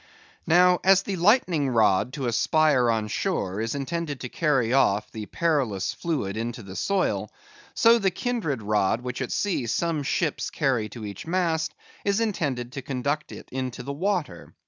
Now, as the lightning rod to a spire on shore is intended to carry off the perilous fluid into the soil; so the kindred rod which at sea some ships carry to each mast, is intended to conduct it into the water.